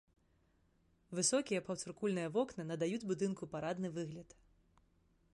Высокія паўцыркульныя вокны надаюць будынку парадны выгляд.